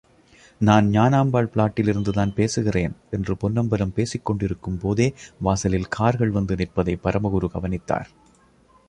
நான் ஞானாம்பாள் பிளாட்டிலிருந்துதான் பேசுகிறேன், என்று பொன்னம்பலம் பேசிக் கொண்டிருக்கும்போதே வாசலில் கார்கள் வந்து நிற்பதைப் பரமகுரு கவனித்தார்.